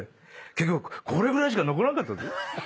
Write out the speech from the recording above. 結局これぐらいしか残らなかったぜ。